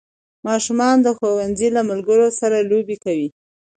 ماشومان د ښوونځي له ملګرو سره لوبې کوي